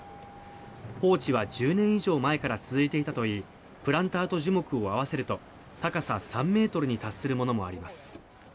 放置は１０年以上前から続いていたといいプランターと樹木を合わせると高さ３ｍに達するものもあります。